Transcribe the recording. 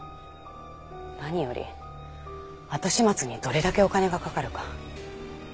何より後始末にどれだけお金がかかるか。